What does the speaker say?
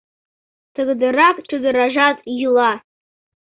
Тыгыдырак чодыражат йӱла.